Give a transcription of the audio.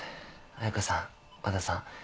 彩佳さん和田さん。